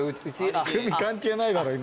グミ関係ないだろ今。